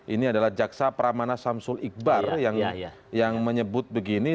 ini adalah jaksa pramana samsul iqbal yang menyebut begini